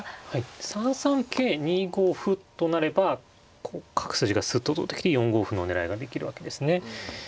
３三桂２五歩となればこう角筋がスッと通ってきて４五歩の狙いができるわけですね。